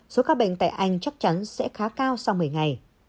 số ca bệnh tại anh chắc chắn sẽ khá cao sau một mươi ngày